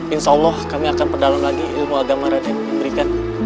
insya allah kami akan perdalam lagi ilmu agama rakyat yang diberikan